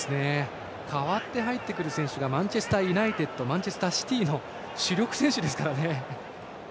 代わって入ってくる選手がマンチェスターユナイテッドやマンチェスターシティーの主力選手ですからね。